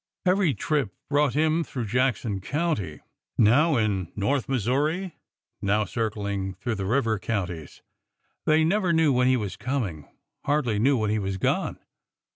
Every trip brought him through Jackson County— now in North Missouri, now circling through the river coun ties. They never knew when he was coming — hardly knew when he was gone.